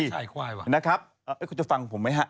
แล้วตะกร้อนเป็นชายควายวะ